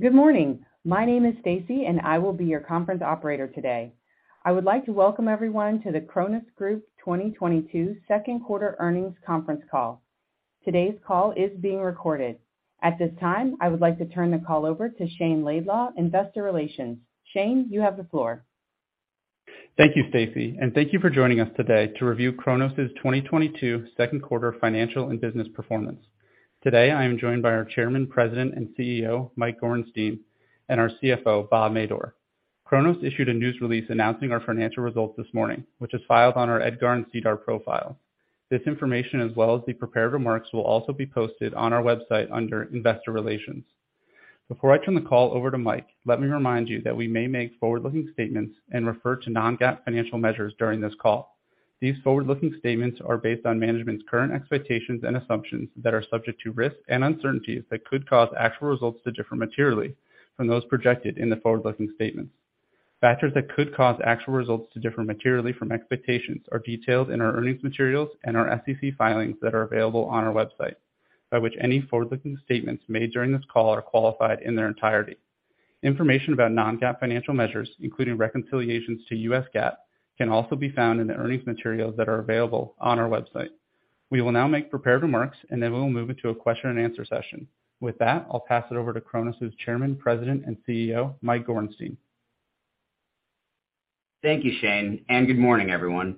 Good morning. My name is Stacy, and I will be your conference operator today. I would like to welcome everyone to the Cronos Group 2022 second quarter earnings conference call. Today's call is being recorded. At this time, I would like to turn the call over to Shayne Laidlaw, investor relations. Shayne, you have the floor. Thank you, Stacy, and thank you for joining us today to review Cronos's 2022 second quarter financial and business performance. Today, I am joined by our Chairman, President, and CEO, Mike Gorenstein, and our CFO, Bob Madore. Cronos issued a news release announcing our financial results this morning, which is filed on our EDGAR and SEDAR profile. This information, as well as the prepared remarks, will also be posted on our website under Investor Relations. Before I turn the call over to Mike, let me remind you that we may make forward-looking statements and refer to non-GAAP financial measures during this call. These forward-looking statements are based on management's current expectations and assumptions that are subject to risks and uncertainties that could cause actual results to differ materially from those projected in the forward-looking statements. Factors that could cause actual results to differ materially from expectations are detailed in our earnings materials and our SEC filings that are available on our website, by which any forward-looking statements made during this call are qualified in their entirety. Information about non-GAAP financial measures, including reconciliations to U.S. GAAP, can also be found in the earnings materials that are available on our website. We will now make prepared remarks, and then we will move into a question-and-answer session. With that, I'll pass it over to Cronos's Chairman, President, and CEO, Mike Gorenstein. Thank you, Shayne, and good morning, everyone.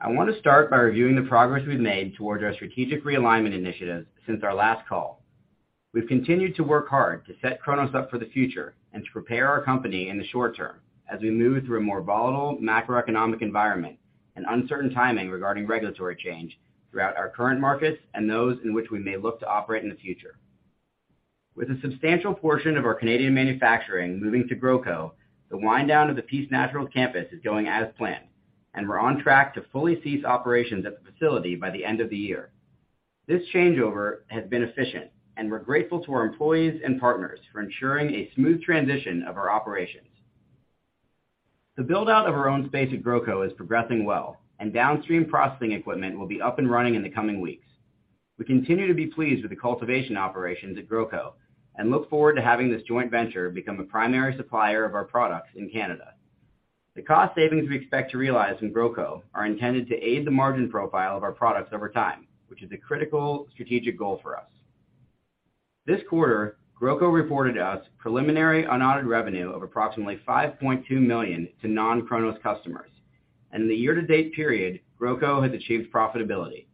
I want to start by reviewing the progress we've made towards our strategic realignment initiatives since our last call. We've continued to work hard to set Cronos up for the future and to prepare our company in the short term as we move through a more volatile macroeconomic environment and uncertain timing regarding regulatory change throughout our current markets and those in which we may look to operate in the future. With a substantial portion of our Canadian manufacturing moving to GrowCo, the wind-down of the Peace Naturals Campus is going as planned, and we're on track to fully cease operations at the facility by the end of the year. This changeover has been efficient, and we're grateful to our employees and partners for ensuring a smooth transition of our operations. The build-out of our own space at GrowCo is progressing well, and downstream processing equipment will be up and running in the coming weeks. We continue to be pleased with the cultivation operations at GrowCo and look forward to having this joint venture become a primary supplier of our products in Canada. The cost savings we expect to realize in GrowCo are intended to aid the margin profile of our products over time, which is a critical strategic goal for us. This quarter, GrowCo reported its preliminary unaudited revenue of approximately $5.2 million to non-Cronos customers. In the year-to-date period, GrowCo has achieved profitability.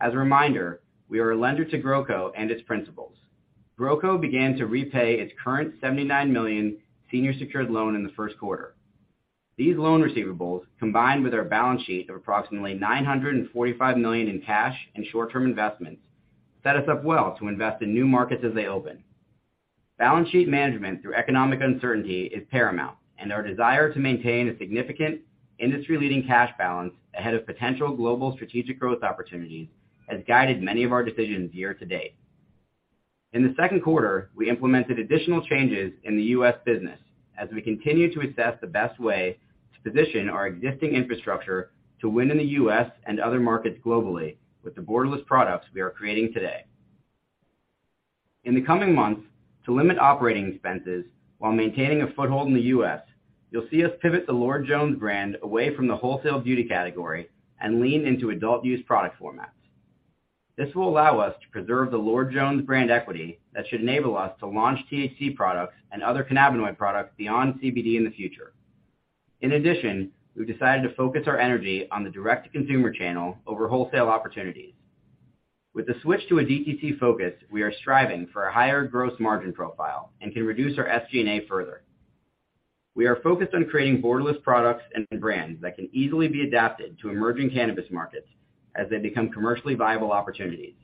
As a reminder, we are a lender to GrowCo and its principals. GrowCo began to repay its current $79 million senior secured loan in the first quarter. These loan receivables, combined with our balance sheet of approximately $945 million in cash and short-term investments, set us up well to invest in new markets as they open. Balance sheet management through economic uncertainty is paramount, and our desire to maintain a significant industry-leading cash balance ahead of potential global strategic growth opportunities has guided many of our decisions year-to-date. In the second quarter, we implemented additional changes in the U.S. business as we continue to assess the best way to position our existing infrastructure to win in the U.S. and other markets globally with the borderless products we are creating today. In the coming months, to limit operating expenses while maintaining a foothold in the U.S., you'll see us pivot the Lord Jones brand away from the wholesale beauty category and lean into adult use product formats. This will allow us to preserve the Lord Jones brand equity that should enable us to launch THC products and other cannabinoid products beyond CBD in the future. In addition, we've decided to focus our energy on the direct-to-consumer channel over wholesale opportunities. With the switch to a DTC focus, we are striving for a higher gross margin profile and can reduce our SG&A further. We are focused on creating borderless products and brands that can easily be adapted to emerging cannabis markets as they become commercially viable opportunities.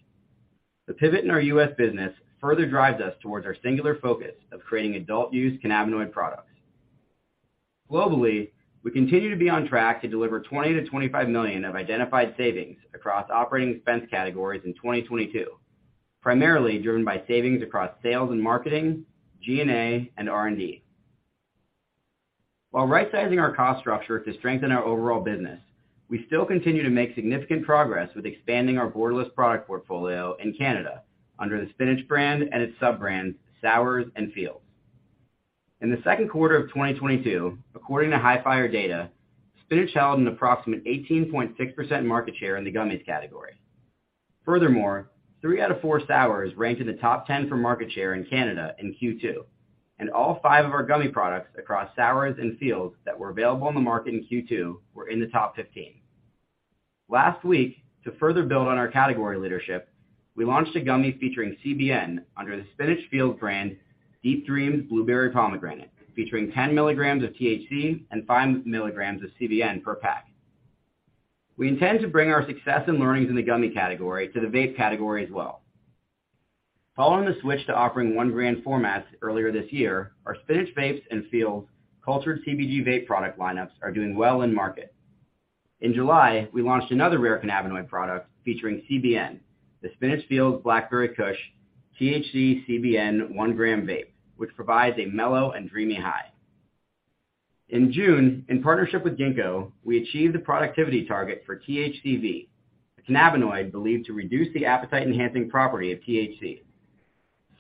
The pivot in our U.S. business further drives us towards our singular focus of creating adult use cannabinoid products. Globally, we continue to be on track to deliver $20 million-$25 million of identified savings across operating expense categories in 2022, primarily driven by savings across sales and marketing, G&A, and R&D. While rightsizing our cost structure to strengthen our overall business, we still continue to make significant progress with expanding our borderless product portfolio in Canada under the Spinach brand and its sub-brands, SOURZ and FEELZ. In the second quarter of 2022, according to Hifyre Data, Spinach held an approximate 18.6% market share in the gummies category. Furthermore, three out of four SOURZ ranked in the top 10 for market share in Canada in Q2, and all five of our gummy products across SOURZ and FEELZ that were available on the market in Q2 were in the top 15. Last week, to further build on our category leadership, we launched a gummy featuring CBN under the Spinach FEELZ brand, Deep Dreamz Blueberry Pomegranate, featuring 10 mg of THC and 5 mg of CBN per pack. We intend to bring our success and learnings in the gummy category to the vape category as well. Following the switch to offering 1-g formats earlier this year, our Spinach vapes and FEELZ cultured CBD vape product lineups are doing well in market. In July, we launched another rare cannabinoid product featuring CBN, the Spinach FEELZ Blackberry Kush THC-CBN 1-g vape, which provides a mellow and dreamy high. In June, in partnership with Ginkgo, we achieved the productivity target for THCV, a cannabinoid believed to reduce the appetite-enhancing property of THC.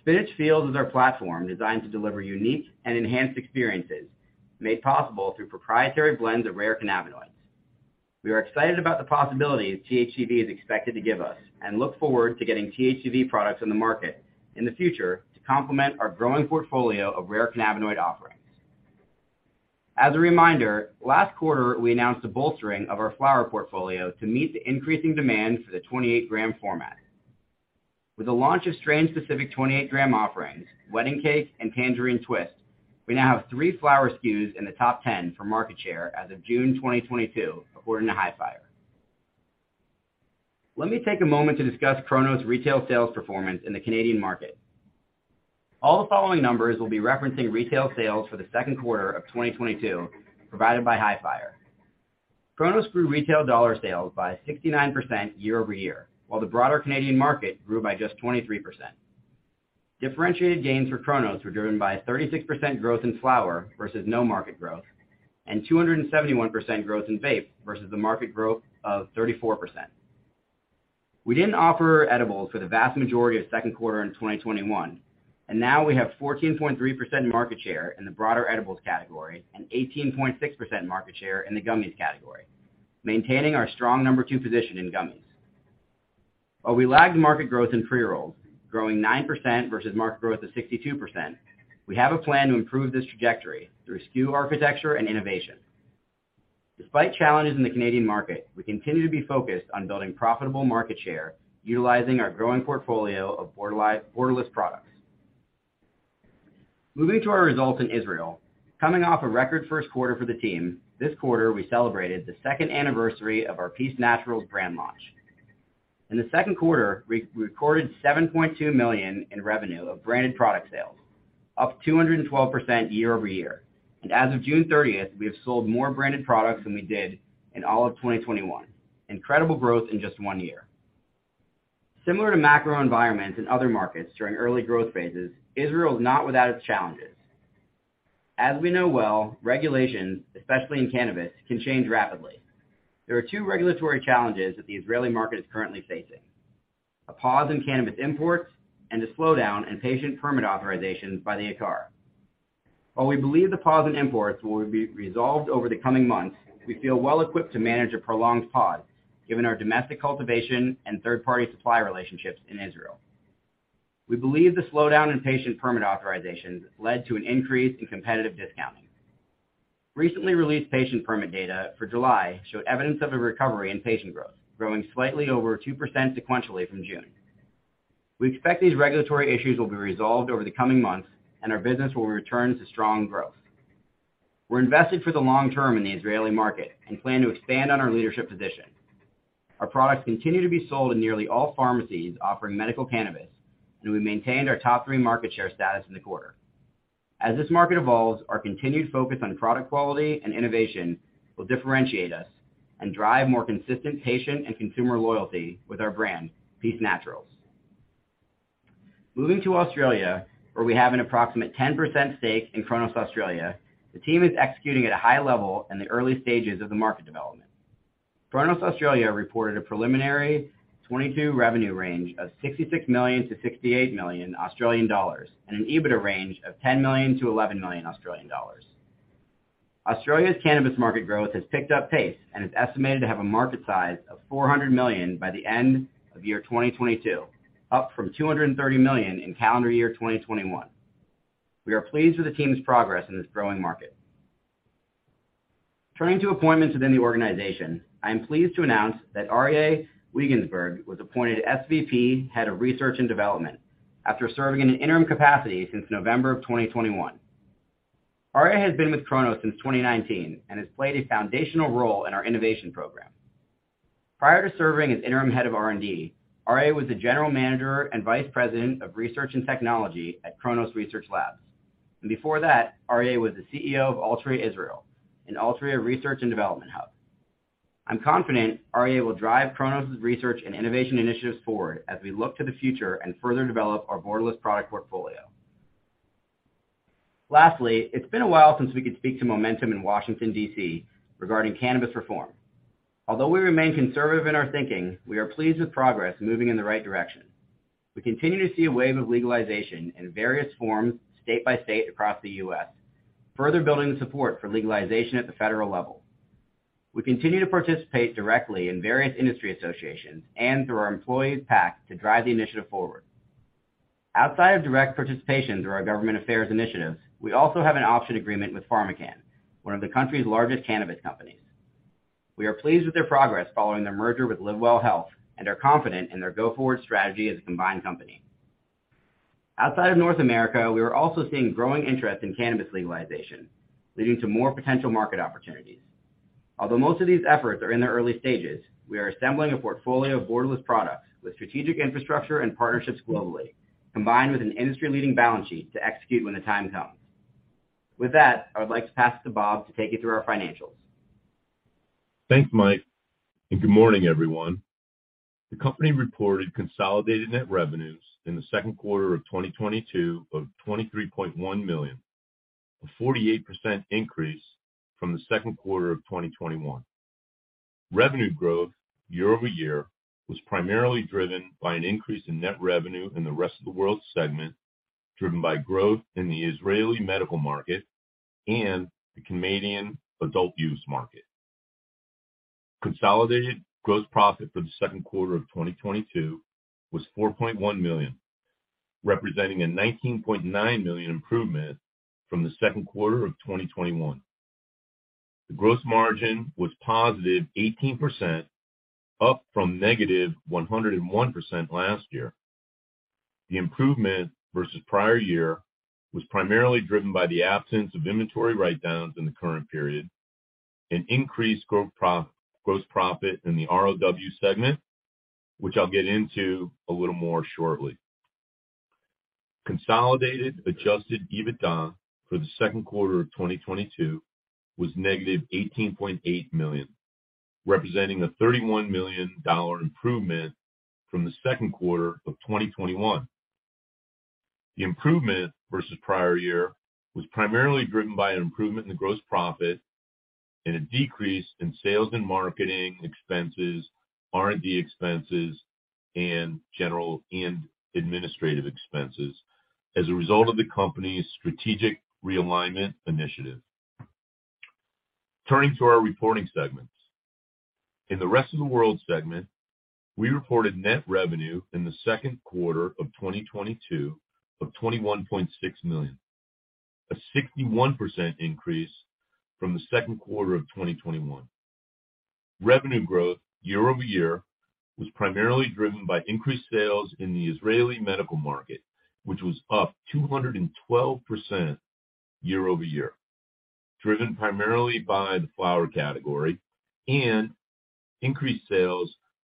Spinach FEELZ is our platform designed to deliver unique and enhanced experiences, made possible through proprietary blends of rare cannabinoids. We are excited about the possibilities THCV is expected to give us, and look forward to getting THCV products on the market in the future to complement our growing portfolio of rare cannabinoid offerings. As a reminder, last quarter, we announced a bolstering of our flower portfolio to meet the increasing demand for the 28-g format. With the launch of strain-specific 28-g offerings, Wedding Cake and Tangerine Twist, we now have three flower SKUs in the top 10 for market share as of June 2022, according to Hifyre. Let me take a moment to discuss Cronos' retail sales performance in the Canadian market. All the following numbers will be referencing retail sales for the second quarter of 2022 provided by Hifyre. Cronos grew retail dollar sales by 69% year-over-year, while the broader Canadian market grew by just 23%. Differentiated gains for Cronos were driven by a 36% growth in flower versus no market growth, and 271% growth in vape versus the market growth of 34%. We didn't offer edibles for the vast majority of second quarter in 2021, and now we have 14.3% market share in the broader edibles category, and 18.6% market share in the gummies category, maintaining our strong number two position in gummies. While we lag the market growth in pre-rolls, growing 9% versus market growth of 62%, we have a plan to improve this trajectory through SKU architecture and innovation. Despite challenges in the Canadian market, we continue to be focused on building profitable market share, utilizing our growing portfolio of borderless products. Moving to our results in Israel, coming off a record first quarter for the team, this quarter we celebrated the second anniversary of our Peace Naturals brand launch. In the second quarter, we recorded $7.2 million in revenue of branded product sales, up 212% year-over-year. As of June 30th, we have sold more branded products than we did in all of 2021. Incredible growth in just one year. Similar to macro environments in other markets during early growth phases, Israel is not without its challenges. As we know well, regulations, especially in cannabis, can change rapidly. There are two regulatory challenges that the Israeli market is currently facing, a pause in cannabis imports and a slowdown in patient permit authorizations by the IMCA. While we believe the pause in imports will be resolved over the coming months, we feel well-equipped to manage a prolonged pause, given our domestic cultivation and third-party supply relationships in Israel. We believe the slowdown in patient permit authorizations led to an increase in competitive discounting. Recently released patient permit data for July showed evidence of a recovery in patient growth, growing slightly over 2% sequentially from June. We expect these regulatory issues will be resolved over the coming months and our business will return to strong growth. We're invested for the long term in the Israeli market and plan to expand on our leadership position. Our products continue to be sold in nearly all pharmacies offering medical cannabis, and we maintained our top three market share status in the quarter. As this market evolves, our continued focus on product quality and innovation will differentiate us and drive more consistent patient and consumer loyalty with our brand, Peace Naturals. Moving to Australia, where we have an approximate 10% stake in Cronos Australia, the team is executing at a high level in the early stages of the market development. Cronos Australia reported a preliminary 2022 revenue range of 66 million-68 million Australian dollars, and an EBITDA range of 10 million-11 million Australian dollars. Australia's cannabis market growth has picked up pace and is estimated to have a market size of 400 million by the end of year 2022, up from 230 million in calendar year 2021. We are pleased with the team's progress in this growing market. Turning to appointments within the organization, I am pleased to announce that Arye Weigensberg was appointed SVP, Head of Research and Development after serving in an interim capacity since November of 2021. Arye has been with Cronos since 2019 and has played a foundational role in our innovation program. Prior to serving as interim Head of R&D, Arye was the General Manager and Vice President of Research and Technology at Cronos Research Labs. Before that, Arye was the CEO of Altria Israel, an Altria research and development hub. I'm confident Arye will drive Cronos' research and innovation initiatives forward as we look to the future and further develop our borderless product portfolio. Lastly, it's been a while since we could speak to momentum in Washington, D.C. regarding cannabis reform. Although we remain conservative in our thinking, we are pleased with progress moving in the right direction. We continue to see a wave of legalization in various forms state by state across the U.S., further building the support for legalization at the federal level. We continue to participate directly in various industry associations and through our Employees PAC to drive the initiative forward. Outside of direct participation through our government affairs initiatives, we also have an option agreement with PharmaCann, one of the country's largest cannabis companies. We are pleased with their progress following their merger with LivWell Enlightened Health and are confident in their go-forward strategy as a combined company. Outside of North America, we are also seeing growing interest in cannabis legalization, leading to more potential market opportunities. Although most of these efforts are in their early stages, we are assembling a portfolio of borderless products with strategic infrastructure and partnerships globally, combined with an industry-leading balance sheet to execute when the time comes. With that, I would like to pass it to Bob to take you through our financials. Thanks, Mike, and good morning, everyone. The company reported consolidated net revenues in the second quarter of 2022 of $23.1 million, a 48% increase from the second quarter of 2021. Revenue growth year-over-year was primarily driven by an increase in net revenue in the rest of the world segment, driven by growth in the Israeli medical market and the Canadian adult-use market. Consolidated gross profit for the second quarter of 2022 was $4.1 million, representing a $19.9 million improvement from the second quarter of 2021. The gross margin was +18%, up from -101% last year. The improvement versus prior year was primarily driven by the absence of inventory write-downs in the current period and increased gross profit in the ROW segment, which I'll get into a little more shortly. Consolidated Adjusted EBITDA for the second quarter of 2022 was $-18.8 million, representing a $31 million improvement from the second quarter of 2021. The improvement versus prior year was primarily driven by an improvement in the gross profit and a decrease in sales and marketing expenses, R&D expenses, and general and administrative expenses as a result of the company's strategic realignment initiative. Turning to our reporting segments. In the rest of the world segment, we reported net revenue in the second quarter of 2022 of $21.6 million, a 61% increase from the second quarter of 2021. Revenue growth year-over-year was primarily driven by increased sales in the Israeli medical market, which was up 212% year-over-year, driven primarily by the flower category and increased sales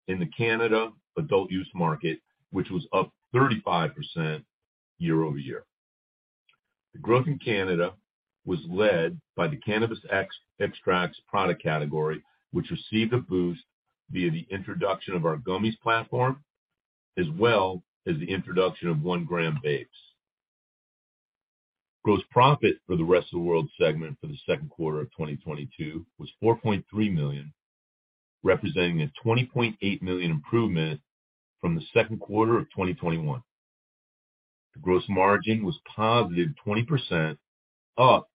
in the Canada adult use market, which was up 35% year-over-year. The growth in Canada was led by the cannabis extracts product category, which received a boost via the introduction of our gummies platform, as well as the introduction of 1 g vapes. Gross profit for the rest of the world segment for the second quarter of 2022 was $4.3 million, representing a $20.8 million improvement from the second quarter of 2021. The gross margin was +20%, up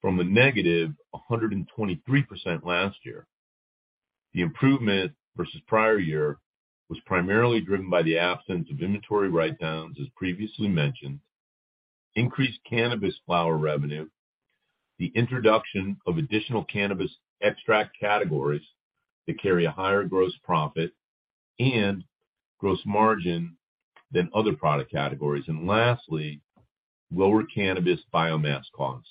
from a -123% last year. The improvement versus prior year was primarily driven by the absence of inventory write-downs, as previously mentioned, increased cannabis flower revenue, the introduction of additional cannabis extract categories that carry a higher gross profit and gross margin than other product categories. Lastly, lower cannabis biomass costs.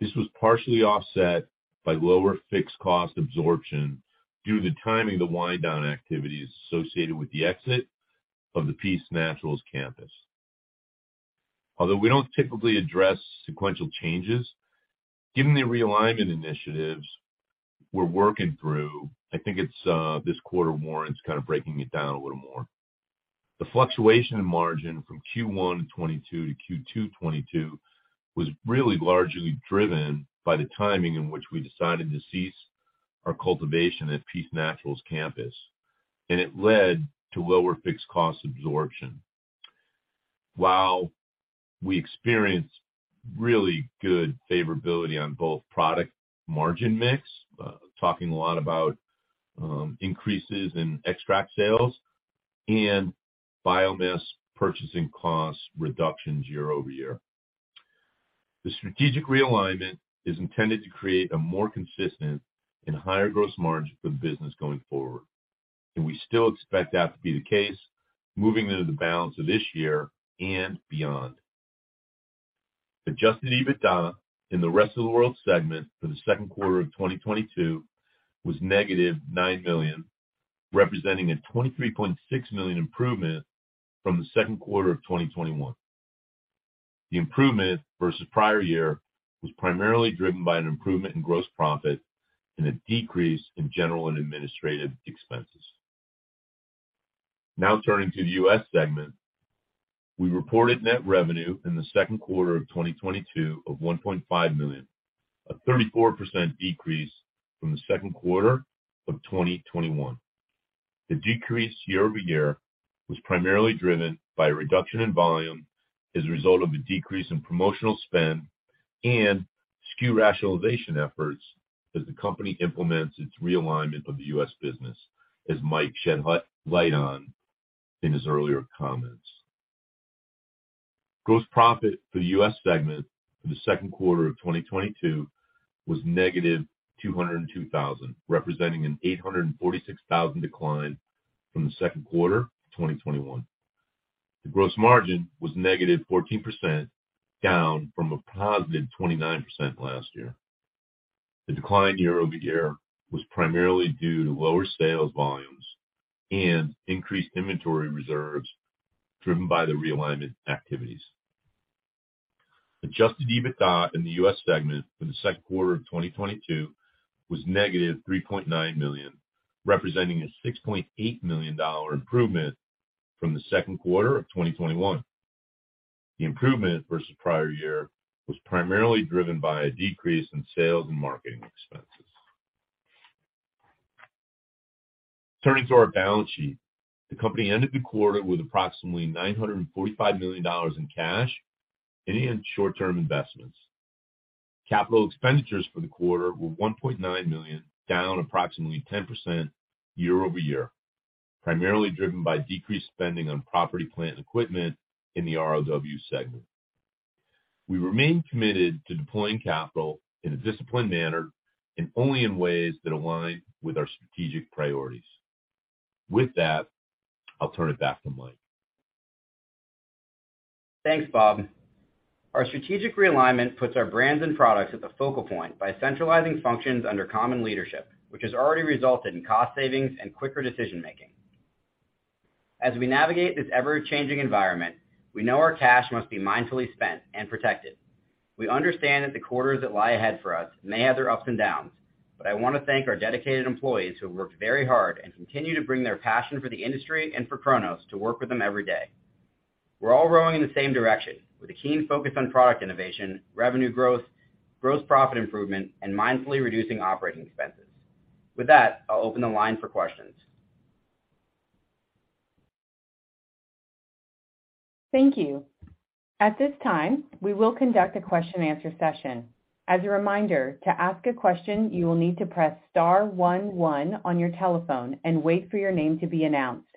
This was partially offset by lower fixed cost absorption due to the timing of the wind down activities associated with the exit of the Peace Naturals Campus. Although we don't typically address sequential changes, given the realignment initiatives we're working through, I think it's this quarter more it's kind of breaking it down a little more. The fluctuation in margin from Q1 2022 to Q2 2022 was really largely driven by the timing in which we decided to cease our cultivation at Peace Naturals Campus, and it led to lower fixed cost absorption. While we experienced really good favorability on both product margin mix, increases in extract sales and biomass purchasing costs reductions year-over-year. The strategic realignment is intended to create a more consistent and higher gross margin for the business going forward, and we still expect that to be the case moving into the balance of this year and beyond. Adjusted EBITDA in the rest of the world segment for the second quarter of 2022 was $-9 million, representing a $23.6 million improvement from the second quarter of 2021. The improvement versus prior year was primarily driven by an improvement in gross profit and a decrease in general and administrative expenses. Now turning to the U.S. segment. We reported net revenue in the second quarter of 2022 of $1.5 million, a 34% decrease from the second quarter of 2021. The decrease year-over-year was primarily driven by a reduction in volume as a result of a decrease in promotional spend and SKU rationalization efforts as the company implements its realignment of the U.S. business, as Mike shed light on in his earlier comments. Gross profit for the U.S. segment for the second quarter of 2022 was $-202,000, representing an $846,000 decline from the second quarter of 2021. The gross margin was -14%, down from a +29% last year. The decline year-over-year was primarily due to lower sales volumes and increased inventory reserves driven by the realignment activities. Adjusted EBITDA in the U.S. segment for the second quarter of 2022 was $-3.9 million, representing a $6.8 million improvement from the second quarter of 2021. The improvement versus prior year was primarily driven by a decrease in sales and marketing expenses. Turning to our balance sheet. The company ended the quarter with approximately $945 million in cash and in short-term investments. Capital expenditures for the quarter were $1.9 million, down approximately 10% year-over-year, primarily driven by decreased spending on property, plant and equipment in the ROW segment. We remain committed to deploying capital in a disciplined manner and only in ways that align with our strategic priorities. With that, I'll turn it back to Mike. Thanks, Bob. Our strategic realignment puts our brands and products at the focal point by centralizing functions under common leadership, which has already resulted in cost savings and quicker decision-making. As we navigate this ever-changing environment, we know our cash must be mindfully spent and protected. We understand that the quarters that lie ahead for us may have their ups and downs, but I want to thank our dedicated employees who have worked very hard and continue to bring their passion for the industry and for Cronos to work with them every day. We're all rowing in the same direction with a keen focus on product innovation, revenue growth, gross profit improvement, and mindfully reducing operating expenses. With that, I'll open the line for questions. Thank you. At this time, we will conduct a question-and-answer session. As a reminder, to ask a question, you will need to press star one one on your telephone and wait for your name to be announced.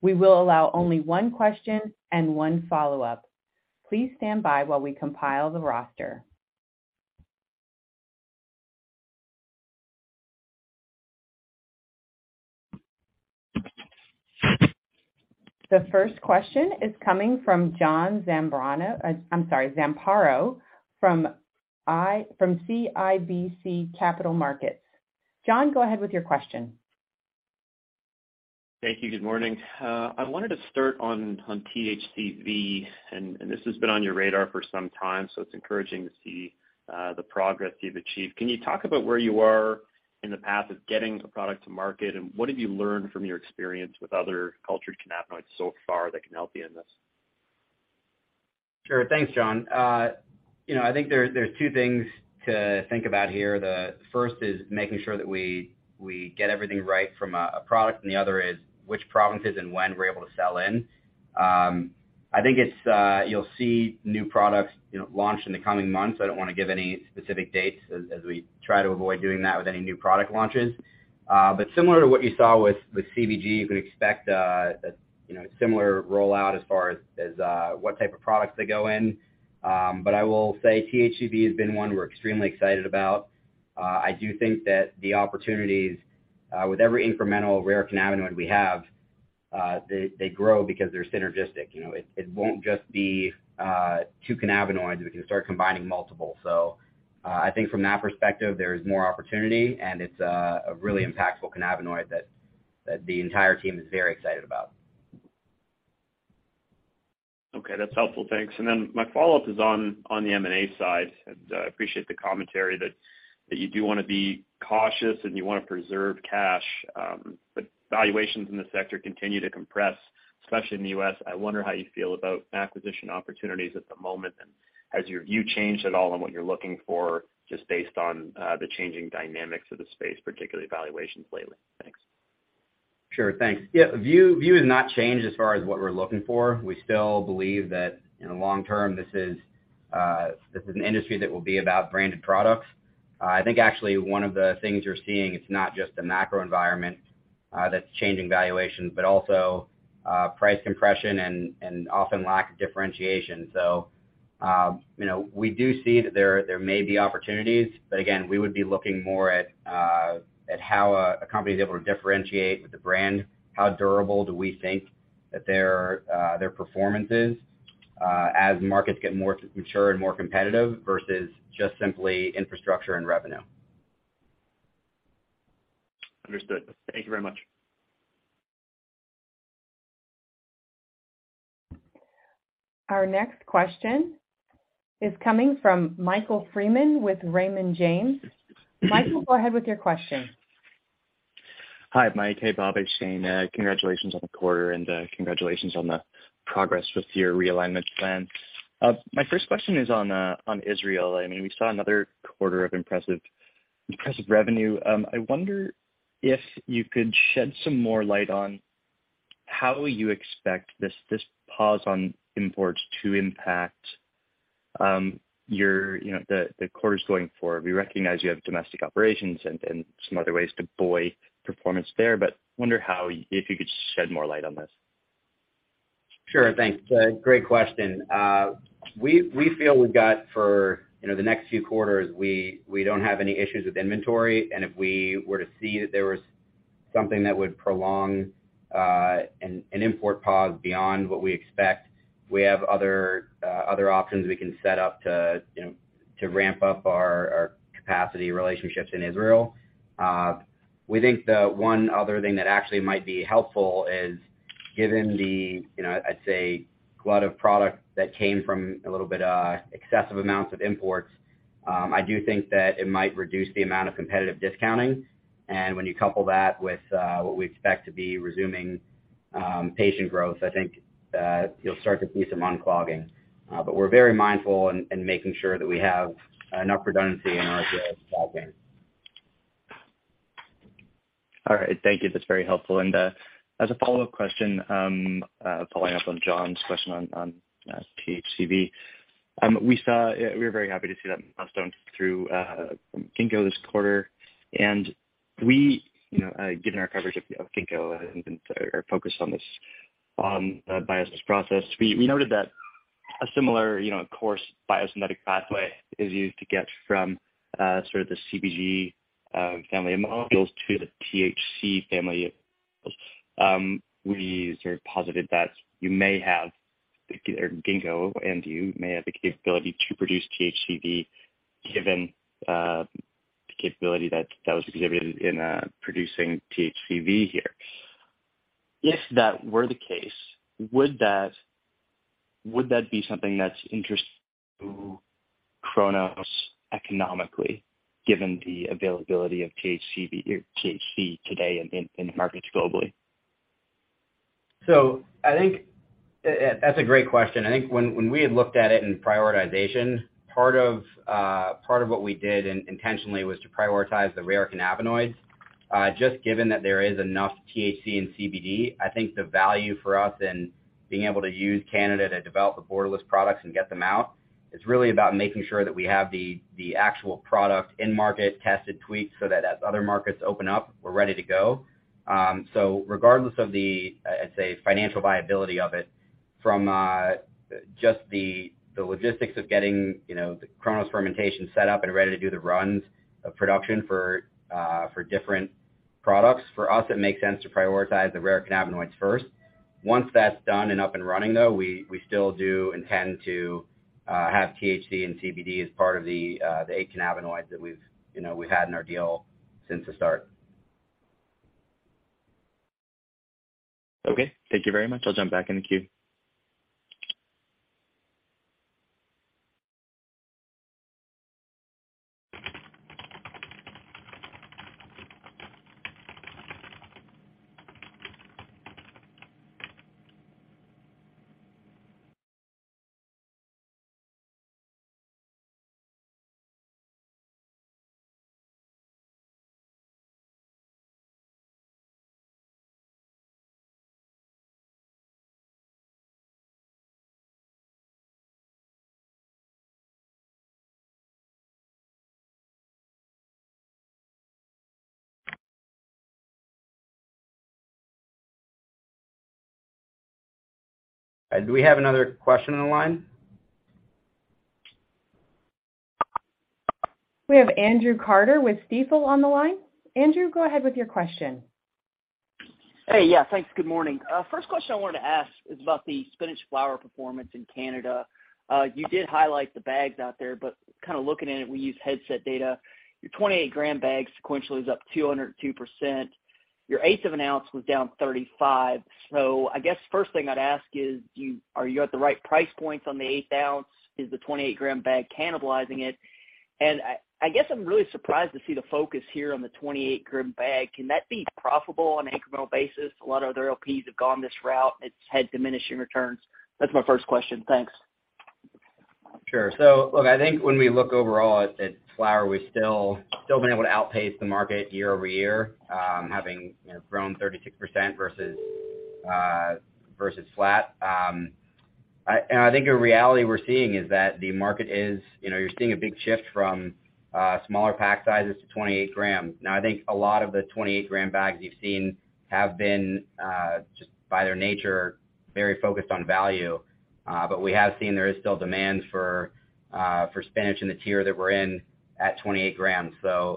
We will allow only one question and one follow-up. Please stand by while we compile the roster. The first question is coming from John Zamparo. I'm sorry, Zamparo from CIBC Capital Markets. John, go ahead with your question. Thank you. Good morning. I wanted to start on THCV, and this has been on your radar for some time, so it's encouraging to see the progress you've achieved. Can you talk about where you are in the path of getting a product to market, and what have you learned from your experience with other cultured cannabinoids so far that can help you in this? Sure. Thanks, John. You know, I think there's two things to think about here. The first is making sure that we get everything right from a product, and the other is which provinces and when we're able to sell in. I think it's you'll see new products, you know, launch in the coming months. I don't wanna give any specific dates as we try to avoid doing that with any new product launches. But similar to what you saw with CBG, you can expect you know a similar rollout as far as what type of products they go in. But I will say THCV has been one we're extremely excited about. I do think that the opportunities with every incremental rare cannabinoid we have they grow because they're synergistic. You know, it won't just be two cannabinoids. We can start combining multiple. I think from that perspective, there is more opportunity, and it's a really impactful cannabinoid that the entire team is very excited about. Okay, that's helpful. Thanks. My follow-up is on the M&A side. I appreciate the commentary that you do wanna be cautious and you wanna preserve cash, but valuations in the sector continue to compress, especially in the U.S. I wonder how you feel about acquisition opportunities at the moment, and has your view changed at all on what you're looking for just based on the changing dynamics of the space, particularly valuations lately? Thanks. Sure. Thanks. Yeah, our view has not changed as far as what we're looking for. We still believe that in the long term this is an industry that will be about branded products. I think actually one of the things you're seeing, it's not just the macro environment that's changing valuations, but also price compression and often lack of differentiation. You know, we do see that there may be opportunities. Again, we would be looking more at how a company is able to differentiate with the brand, how durable do we think that their performance is as markets get more mature and more competitive versus just simply infrastructure and revenue. Understood. Thank you very much. Our next question is coming from Michael Freeman with Raymond James. Michael, go ahead with your question. Hi, Mike. Hey, Bob. Hey Shayne. Congratulations on the quarter and congratulations on the progress with your realignment plan. My first question is on Israel. I mean, we saw another quarter of impressive revenue. I wonder if you could shed some more light on how you expect this pause on imports to impact your, you know, the quarters going forward. We recognize you have domestic operations and some other ways to buoy performance there, but wonder how if you could shed more light on this. Sure. Thanks. Great question. We feel we've got, for you know, the next few quarters, we don't have any issues with inventory. If we were to see that there was something that would prolong an import pause beyond what we expect, we have other options we can set up to, you know, to ramp up our capacity relationships in Israel. We think the one other thing that actually might be helpful is. Given the, you know, I'd say, glut of product that came from a little bit of excessive amounts of imports, I do think that it might reduce the amount of competitive discounting. When you couple that with what we expect to be resuming patient growth, I think that you'll start to see some unclogging. We're very mindful in making sure that we have enough redundancy in our pipeline. All right. Thank you. That's very helpful. As a follow-up question, following up on John's question on THCV. We were very happy to see that milestone from Ginkgo this quarter. Given our coverage of Ginkgo and have been focused on this biosynthesis process, we noted that a similar core biosynthetic pathway is used to get from sort of the CBG family of molecules to the THC family. We sort of posited that you may have, or Ginkgo and you may have the capability to produce THCV, given the capability that was exhibited in producing THCV here. If that were the case, would that be something that's interesting to Cronos economically, given the availability of THCV or THC today in markets globally? I think that's a great question. I think when we had looked at it in prioritization, part of what we did intentionally was to prioritize the rare cannabinoids. Just given that there is enough THC and CBD, I think the value for us in being able to use Canada to develop the borderless products and get them out, it's really about making sure that we have the actual product in market, tested, tweaked, so that as other markets open up, we're ready to go. Regardless of the, I'd say, financial viability of it from just the logistics of getting, you know, the Cronos fermentation set up and ready to do the runs of production for different products, for us, it makes sense to prioritize the rare cannabinoids first. Once that's done and up and running, though, we still do intend to have THC and CBD as part of the eight cannabinoids that we've, you know, had in our deal since the start. Okay. Thank you very much. I'll jump back in the queue. Do we have another question on the line? We have Andrew Carter with Stifel on the line. Andrew, go ahead with your question. Hey. Yeah. Thanks. Good morning. First question I wanted to ask is about the Spinach flower performance in Canada. You did highlight the bags out there, but kind of looking at it, we use Headset data. Your 28-g bag sequentially is up 202%. Your 1/8 of an ounce was down 35%. I guess first thing I'd ask is, are you at the right price points on the 1/8 ounce? Is the 28-g bag cannibalizing it? I guess I'm really surprised to see the focus here on the 28-g bag. Can that be profitable on an incremental basis? A lot of other LPs have gone this route, and it's had diminishing returns. That's my first question. Thanks. Sure. Look, I think when we look overall at flower, we've still been able to outpace the market year-over-year, having, you know, grown 36% versus flat. I think the reality we're seeing is that the market is, you know, you're seeing a big shift from smaller pack sizes to 28 g. Now, I think a lot of the 28-g bags you've seen have been just by their nature, very focused on value. We have seen there is still demand for Spinach in the tier that we're in at 28 g.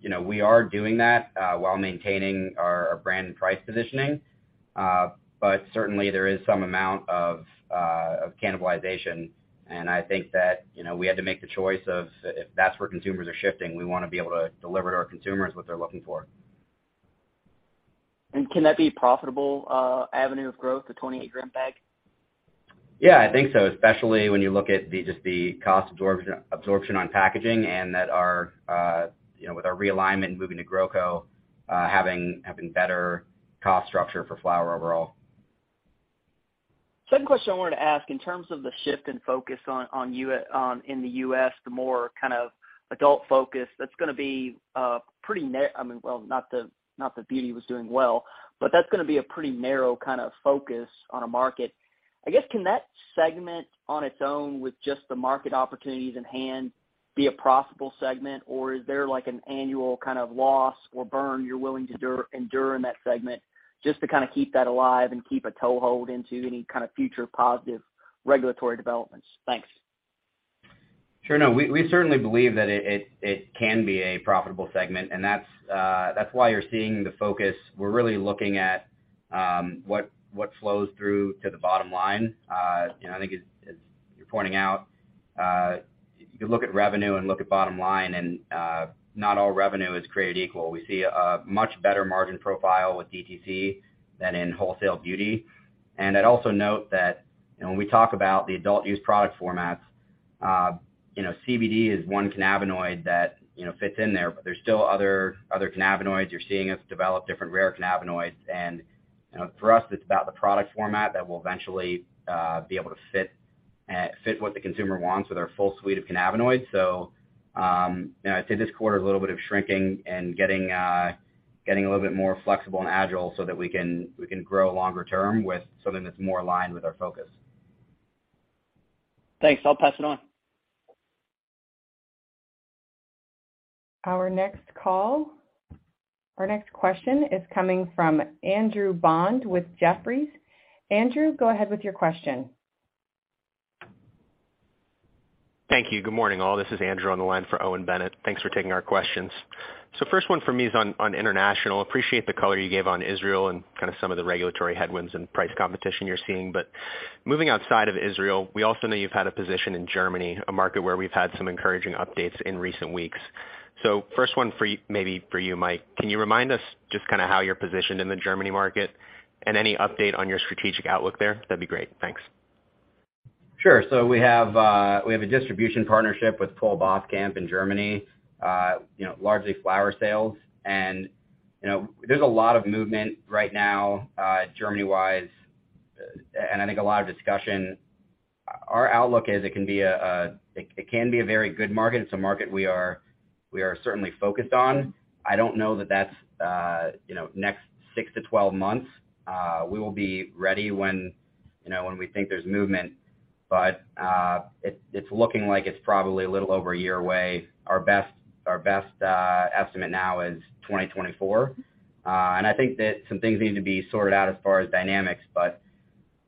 You know, we are doing that while maintaining our brand and price positioning. Certainly there is some amount of cannibalization. I think that, you know, we had to make the choice of if that's where consumers are shifting, we wanna be able to deliver to our consumers what they're looking for. Can that be a profitable avenue of growth, the 28-g bag? Yeah, I think so, especially when you look at just the cost absorption on packaging and that our, you know, with our realignment and moving to GrowCo, having better cost structure for flower overall. Second question I wanted to ask in terms of the shift in focus on in the U.S., the more kind of adult focus, that's gonna be pretty narrow kind of focus on a market. I mean, well, not that beauty was doing well, but that's gonna be a pretty narrow kind of focus on a market. I guess, can that segment on its own with just the market opportunities in hand be a profitable segment, or is there like an annual kind of loss or burn you're willing to endure in that segment just to kind of keep that alive and keep a toehold into any kind of future positive regulatory developments? Thanks. Sure. No, we certainly believe that it can be a profitable segment, and that's why you're seeing the focus. We're really looking at what flows through to the bottom line. I think it's. You're pointing out, you look at revenue and look at bottom line, and, not all revenue is created equal. We see a much better margin profile with DTC than in wholesale beauty. I'd also note that, you know, when we talk about the adult use product formats, you know, CBD is one cannabinoid that, you know, fits in there, but there's still other cannabinoids. You're seeing us develop different rare cannabinoids. You know, for us, it's about the product format that will eventually be able to fit what the consumer wants with our full suite of cannabinoids. You know, I'd say this quarter, a little bit of shrinking and getting a little bit more flexible and agile so that we can grow longer term with something that's more aligned with our focus. Thanks. I'll pass it on. Our next caller. Our next question is coming from Andrew Bond with Jefferies. Andrew, go ahead with your question. Thank you. Good morning, all. This is Andrew on the line for Owen Bennett. Thanks for taking our questions. First one for me is on international. Appreciate the color you gave on Israel and kind of some of the regulatory headwinds and price competition you're seeing. Moving outside of Israel, we also know you've had a position in Germany, a market where we've had some encouraging updates in recent weeks. First one, maybe for you, Mike. Can you remind us just kind of how you're positioned in the Germany market and any update on your strategic outlook there? That'd be great. Thanks. Sure. We have a distribution partnership with Pohl-Boskamp in Germany, you know, largely flower sales. You know, there is a lot of movement right now, Germany-wise, and I think a lot of discussion. Our outlook is it can be a very good market. It is a market we are certainly focused on. I do not know that that is you know, next six to 12 months. We will be ready when, you know, when we think there is movement. It is looking like it is probably a little over a year away. Our best estimate now is 2024. I think that some things need to be sorted out as far as dynamics.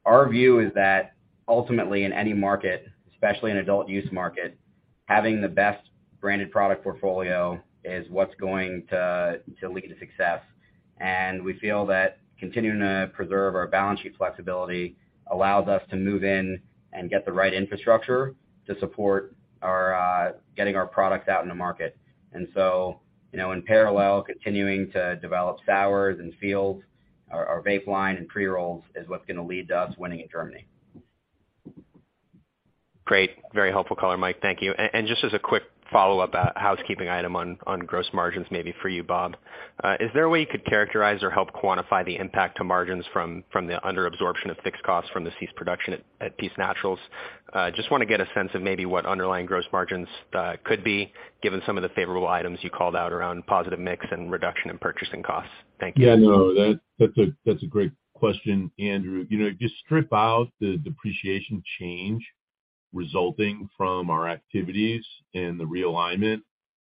Our view is that ultimately in any market, especially in adult use market, having the best branded product portfolio is what's going to lead to success. We feel that continuing to preserve our balance sheet flexibility allows us to move in and get the right infrastructure to support our getting our products out in the market. You know, in parallel, continuing to develop flowers and fields, our vape line and pre-rolls is what's gonna lead to us winning in Germany. Great. Very helpful color, Mike. Thank you. Just as a quick follow-up, housekeeping item on gross margins, maybe for you, Bob. Is there a way you could characterize or help quantify the impact to margins from the under absorption of fixed costs from the ceased production at Peace Naturals? Just wanna get a sense of maybe what underlying gross margins could be given some of the favorable items you called out around positive mix and reduction in purchasing costs. Thank you. Yeah, that's a great question, Andrew. You know, just strip out the depreciation change resulting from our activities and the realignment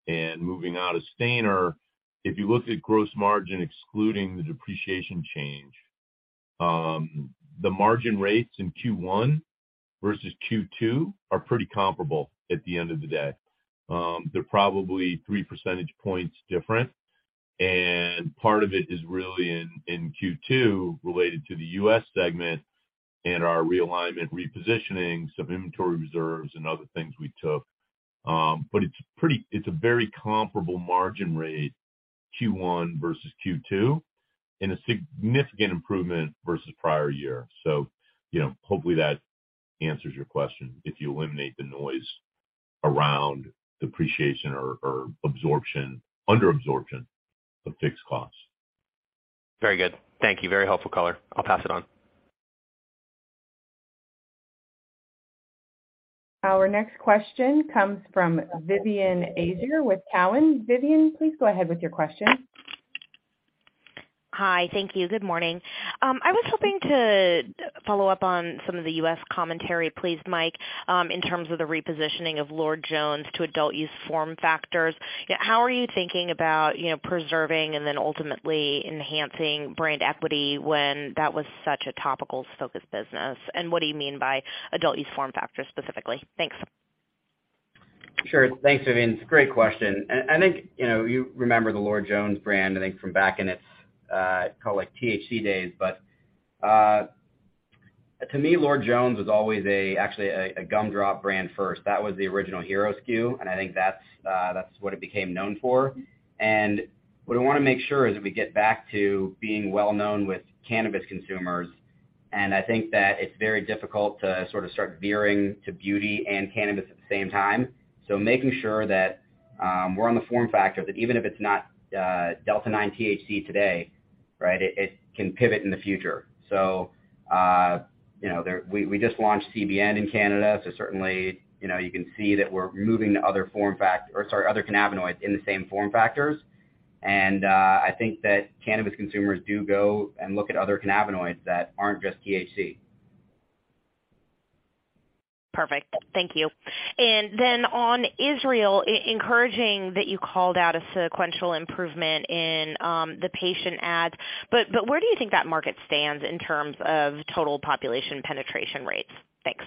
and moving out of Stayner. If you look at gross margin excluding the depreciation change, the margin rates in Q1 versus Q2 are pretty comparable at the end of the day. They're probably three percentage points different, and part of it is really in Q2 related to the U.S. segment and our realignment repositioning some inventory reserves and other things we took. It's pretty. It's a very comparable margin rate Q1 versus Q2 and a significant improvement versus prior year. You know, hopefully that answers your question if you eliminate the noise around depreciation or absorption, under absorption of fixed costs. Very good. Thank you. Very helpful color. I'll pass it on. Our next question comes from Vivien Azer with Cowen. Vivien, please go ahead with your question. Hi. Thank you. Good morning. I was hoping to follow up on some of the U.S. commentary, please, Mike, in terms of the repositioning of Lord Jones to adult use form factors. How are you thinking about, you know, preserving and then ultimately enhancing brand equity when that was such a topical focused business? What do you mean by adult use form factors specifically? Thanks. Sure. Thanks, Vivien. It's a great question. I think, you know, you remember the Lord Jones brand, I think from back in its, call it THC days. To me, Lord Jones was always actually a gumdrop brand first. That was the original hero SKU, and I think that's what it became known for. What we wanna make sure is that we get back to being well known with cannabis consumers, and I think that it's very difficult to sort of start veering to beauty and cannabis at the same time. Making sure that we're on the form factor, that even if it's not delta-9 THC today, right, it can pivot in the future. You know, we just launched CBN in Canada, so certainly, you know, you can see that we're moving to other form factor or sorry, other cannabinoids in the same form factors. I think that cannabis consumers do go and look at other cannabinoids that aren't just THC. Perfect. Thank you. On Israel, encouraging that you called out a sequential improvement in the patient adds, but where do you think that market stands in terms of total population penetration rates? Thanks.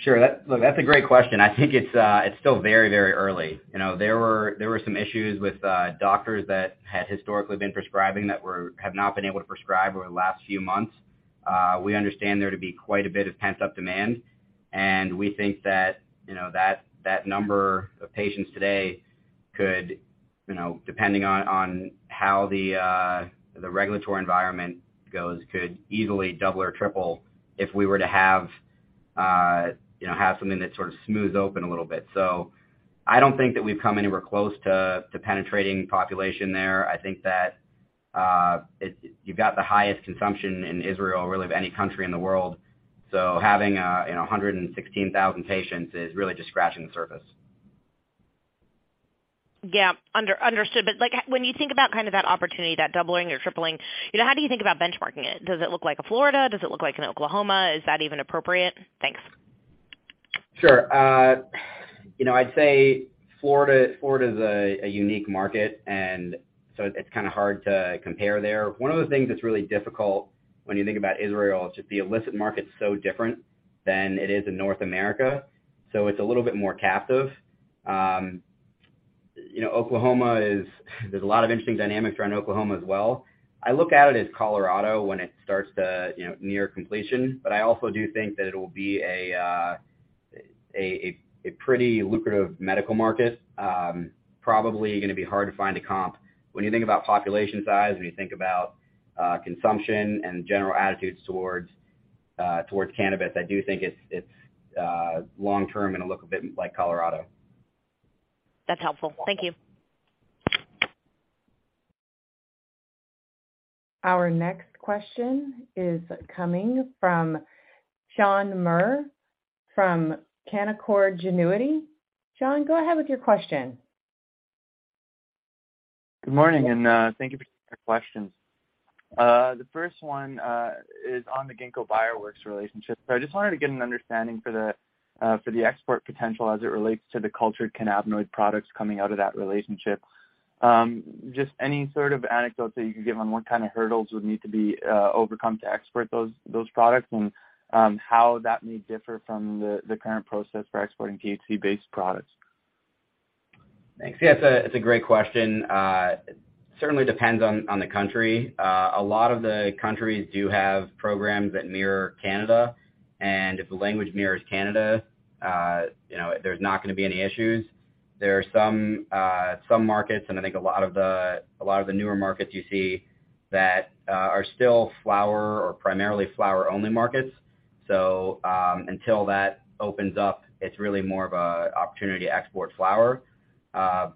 Sure. Look, that's a great question. I think it's still very, very early. You know, there were some issues with doctors that had historically been prescribing that have not been able to prescribe over the last few months. We understand there to be quite a bit of pent-up demand, and we think that, you know, that number of patients today could, you know, depending on how the regulatory environment goes, could easily double or triple if we were to have, you know, have something that sort of smooths open a little bit. I don't think that we've come anywhere close to penetrating population there. I think that you've got the highest consumption in Israel or really of any country in the world. Having, you know, 116,000 patients is really just scratching the surface. Yeah. Understood. Like, when you think about kind of that opportunity, that doubling or tripling, you know, how do you think about benchmarking it? Does it look like a Florida? Does it look like an Oklahoma? Is that even appropriate? Thanks. Sure. You know, I'd say Florida is a unique market, and so it's kind of hard to compare there. One of the things that's really difficult when you think about Israel is just the illicit market's so different than it is in North America, so it's a little bit more captive. You know, there's a lot of interesting dynamics around Oklahoma as well. I look at it as Colorado when it starts to, you know, near completion, but I also do think that it'll be a pretty lucrative medical market. Probably gonna be hard to find a comp. When you think about population size, when you think about consumption and general attitudes towards cannabis, I do think it's long term gonna look a bit like Colorado. That's helpful. Thank you. Our next question is coming from Shaan Mir from Canaccord Genuity. Shaan, go ahead with your question. Good morning, thank you for taking our questions. The first one is on the Ginkgo Bioworks relationship. I just wanted to get an understanding for the export potential as it relates to the cultured cannabinoid products coming out of that relationship. Just any sort of anecdotes that you could give on what kind of hurdles would need to be overcome to export those products and how that may differ from the current process for exporting THC-based products. Thanks. Yeah, it's a great question. Certainly depends on the country. A lot of the countries do have programs that mirror Canada, and if the language mirrors Canada, you know, there's not gonna be any issues. There are some markets, and I think a lot of the newer markets you see that are still flower or primarily flower-only markets. So, until that opens up, it's really more of an opportunity to export flower.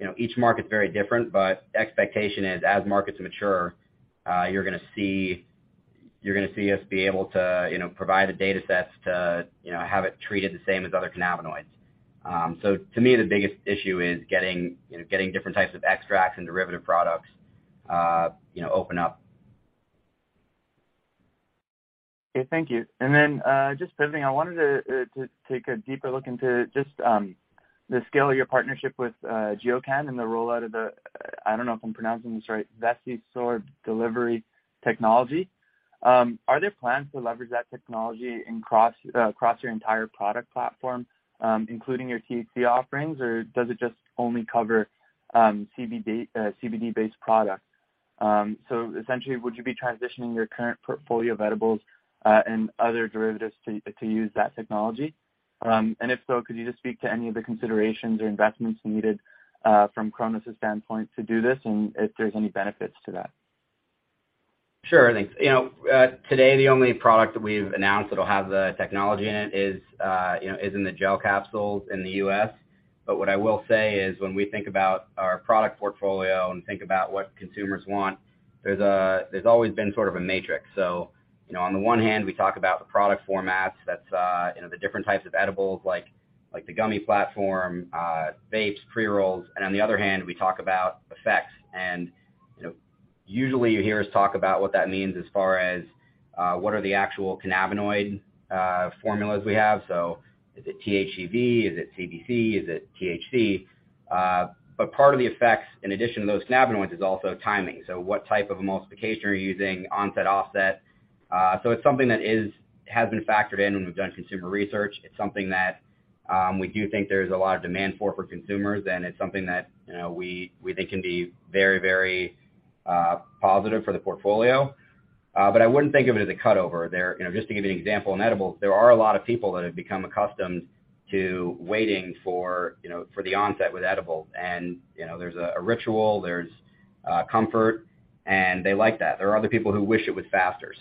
You know, each market's very different, but expectation is as markets mature, you're gonna see us be able to provide the datasets to have it treated the same as other cannabinoids. To me, the biggest issue is getting different types of extracts and derivative products open up. Okay. Thank you. Then, just pivoting, I wanted to take a deeper look into just the scale of your partnership with Geocann and the rollout of the, I don't know if I'm pronouncing this right, VESIsorb delivery technology. Are there plans to leverage that technology across your entire product platform, including your THC offerings? Or does it just only cover CBD-based products? So essentially, would you be transitioning your current portfolio of edibles and other derivatives to use that technology? And if so, could you just speak to any of the considerations or investments needed from Cronos' standpoint to do this and if there's any benefits to that? Sure. Thanks. You know, today, the only product that we've announced that'll have the technology in it is, you know, is in the gel capsules in the U.S. But what I will say is when we think about our product portfolio and think about what consumers want, there's always been sort of a matrix. You know, on the one hand, we talk about the product formats that's, you know, the different types of edibles like the gummy platform, vapes, pre-rolls. And on the other hand, we talk about effects. You know, usually you hear us talk about what that means as far as what are the actual cannabinoid formulas we have. So is it THCV? Is it CBC? Is it THC? But part of the effects in addition to those cannabinoids is also timing. What type of emulsification are you using, onset, offset? It's something that is, has been factored in when we've done consumer research. It's something that, we do think there's a lot of demand for consumers, and it's something that, you know, we think can be very positive for the portfolio. But I wouldn't think of it as a cut over there. You know, just to give you an example, in edibles, there are a lot of people that have become accustomed to waiting for, you know, for the onset with edibles. You know, there's a ritual, there's comfort, and they like that. There are other people who wish it was faster.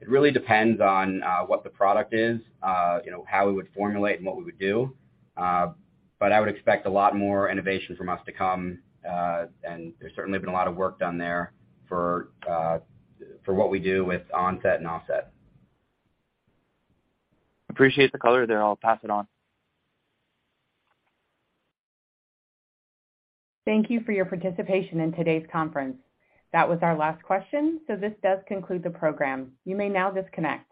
It really depends on what the product is, you know, how we would formulate and what we would do. I would expect a lot more innovation from us to come. There's certainly been a lot of work done there for what we do with onset and offset. Appreciate the color there. I'll pass it on. Thank you for your participation in today's conference. That was our last question, so this does conclude the program. You may now disconnect.